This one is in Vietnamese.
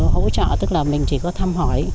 hỗ trợ tức là mình chỉ có thăm hỏi